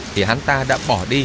thì hắn ta đã bỏ đi